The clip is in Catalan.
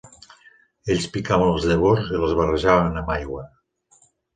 Ells picaven les llavors i les barrejaven amb aigua.